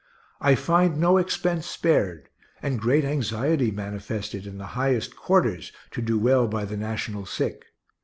I find no expense spared, and great anxiety manifested in the highest quarters, to do well by the national sick.